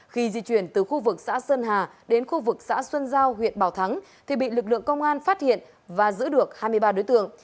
khi di chuyển từ khu vực xã sơn hà đến khu vực xã xuân giao huyện bảo thắng thì bị lực lượng công an phát hiện và giữ được hai mươi ba đối tượng